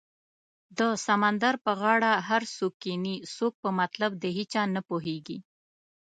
د سمندر په غاړه هر څوک کینې څوک په مطلب د هیچا نه پوهیږې